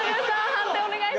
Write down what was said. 判定お願いします。